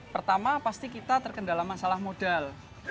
pertama pasti kita terkendala masalah modal